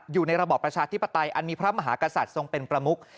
อยู่ในระบอบประชาธิปไตยอันมีพระมหากษัตริย์ทรงเป็นประมุก